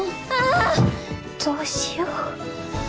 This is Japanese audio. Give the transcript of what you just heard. あどうしよう。